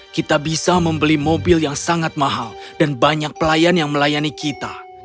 kita bisa membeli mobil yang sangat mahal dan banyak pelayan yang melayani kita